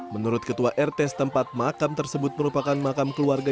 menurut ketua rts tempat makam tersebut merupakan makam keluarga